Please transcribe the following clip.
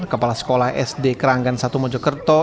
kepala sekolah sd keranggan satu mojokerto